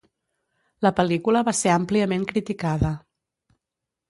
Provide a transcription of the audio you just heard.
La pel·lícula va ser àmpliament criticada.